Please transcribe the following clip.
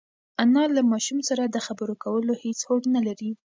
انا له ماشوم سره د خبرو کولو هېڅ هوډ نهلري.